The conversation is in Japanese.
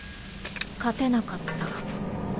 勝てなかった。